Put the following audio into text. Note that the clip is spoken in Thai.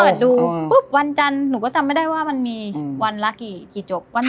หนูก็เปิดดูปุ๊บวันจันทร์หนูก็ทำไม่ได้ว่ามันมีวันละกี่จบ